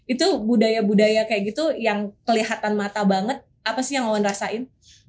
itu budaya budaya kayak gitu yang kelihatan mata banget apa sih yang wawan rasain